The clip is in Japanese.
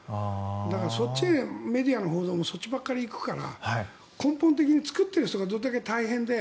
だから、メディアの報道もそっちばっかり行くから根本的に作っている人がどれだけ大変で